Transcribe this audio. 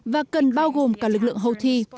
và cần bao gồm cả lực lượng houthi